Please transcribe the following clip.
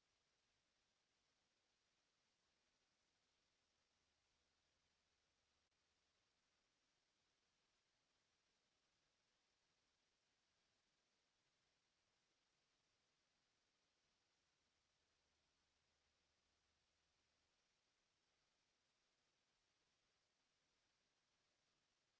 โปรดติดตามต่อไป